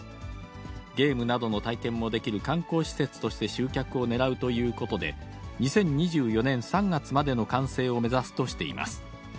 ゲームなどの体験もできる観光施設として集客を狙うということで、２０２４年３月までの完成を目指すとしています。